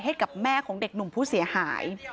ให้กับแม่ของเด็กหนุ่มผู้เสียหาย